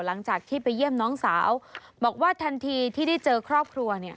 หลังจากที่ไปเยี่ยมน้องสาวบอกว่าทันทีที่ได้เจอครอบครัวเนี่ย